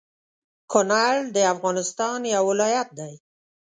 کونړ د افغانستان يو ولايت دى